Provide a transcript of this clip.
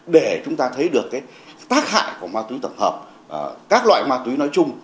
để chúng ta thấy được tác hại của ma túy tổng hợp các loại ma túy nói chung